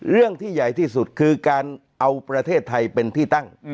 เรื่องที่ใหญ่ที่สุดคือการเอาประเทศไทยเป็นที่ตั้ง